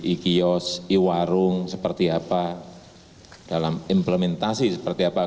i kios i warung seperti apa dalam implementasi seperti apa